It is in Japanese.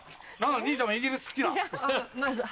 兄ちゃんもイギリス好きなん？